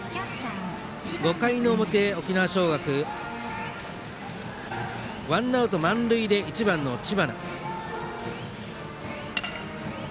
５回の表、沖縄尚学ワンアウト満塁で１番の知花。